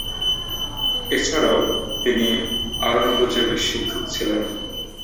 এছাড়াও, তিনি আওরঙ্গজেবের শিক্ষক ছিলেন।